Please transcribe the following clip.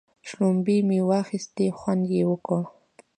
شلومبې مو واخيستې خوند یې وکړ.